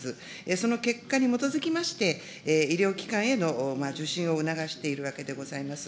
その結果に基づきまして、医療機関への受診を促しているわけでございます。